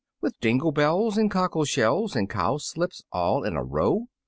With dingle bells and cockle shells And cowslips all in a row!"